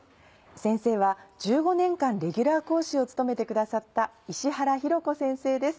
先生は１５年間レギュラー講師を務めてくださった石原洋子先生です。